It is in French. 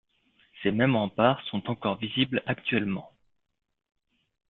Ces mêmes remparts sont encore visibles actuellement.